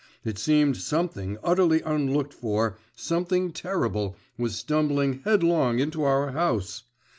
It seemed something utterly unlooked for, something terrible was stumbling headlong into our house.